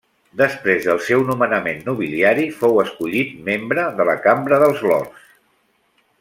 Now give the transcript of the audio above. Després del seu nomenament nobiliari fou escollit membre de la Cambra dels Lords.